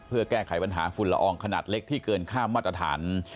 เพื่อแก้ไขปัญหาฝุ่นละอองขนาดเล็กที่เกินข้ามมาตรฐาน